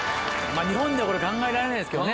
日本では考えられないですけどね。